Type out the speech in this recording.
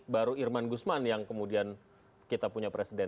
baru irman gusman yang kemudian kita punya presiden